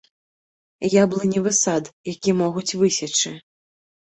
Яблыневы сад, які могуць высечы.